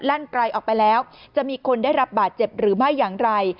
ไกลออกไปแล้วจะมีคนได้รับบาดเจ็บหรือไม่อย่างไร